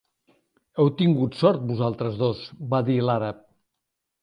"Heu tingut sort, vosaltres dos", va dir l'àrab.